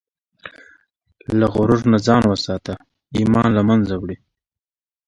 له غرور نه ځان وساته، ایمان له منځه وړي.